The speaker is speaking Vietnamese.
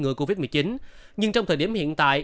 ngừa covid một mươi chín nhưng trong thời điểm hiện tại